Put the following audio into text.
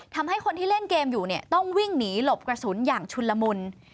ทำให้คนที่เล่นเกมอยู่เนี่ยต้องวิ่งหนีหลบกระสุนอย่างชุนละมุน